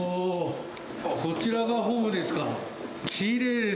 こちらがホームですか！